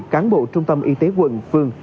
cán bộ trung tâm y tế quận phương